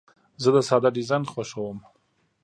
زه د ساده ډیزاین خوښوم.